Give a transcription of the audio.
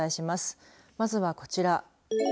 まずはこちら。